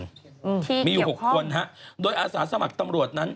ที่เกี่ยวข้องโดยอาสาสมัครตำรวจนั้น